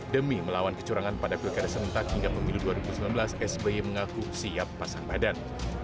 demi melawan kecurangan pada pilkada serentak hingga pemilu dua ribu sembilan belas sby mengaku siap pasang badan